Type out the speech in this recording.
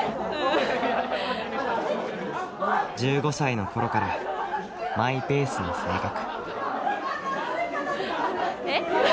１５歳のころからマイペースな性格。